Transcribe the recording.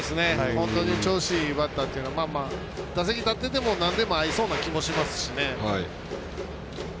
本当に調子いいバッターっていうのは打席立っていてもなんでも合いそうな気がしますし。